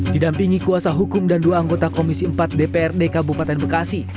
didampingi kuasa hukum dan dua anggota komisi empat dprd kabupaten bekasi